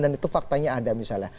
itu faktanya ada misalnya